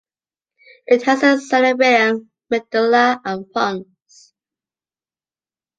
It houses the cerebellum, medulla and pons.